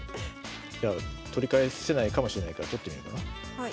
じゃあ取り返せないかもしれないから取ってみようかな。